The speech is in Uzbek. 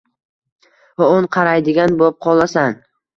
Va o‘n qaraydigan bo‘pqolasan.